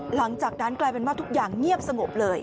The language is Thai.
หลังจากนั้นกลายเป็นว่าทุกอย่างเงียบสงบเลย